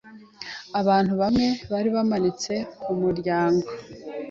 Abantu bamwe bari bamanitse kumuryango.